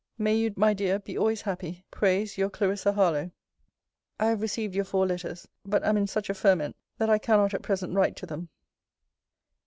May you, my dear, be always happy, prays you CLARISSA HARLOWE. I have received your four letters. But am in such a ferment, that I cannot at present write to them.